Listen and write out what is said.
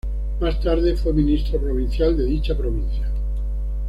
Más tarde fue ministro provincial de dicha provincia.